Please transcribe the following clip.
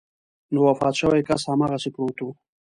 نو وفات شوی کس هماغسې پروت و.